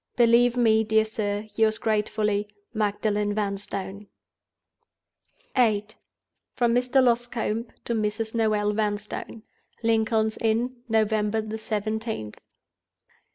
"Believe me, dear sir, yours gratefully, "MAGDALEN VANSTONE." VIII. From Mr. Loscombe to Mrs. Noel Vanstone. "Lincoln's Inn. November 17th.